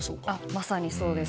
まさにそうです。